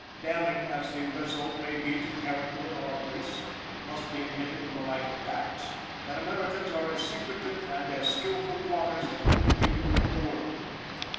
Damning as the result must be to the character of our race, it must be admitted, in the light of facts, that Americans are as secretive and as skillful plotters as any people in the world.